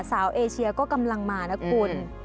เอเชียก็กำลังมานะคุณ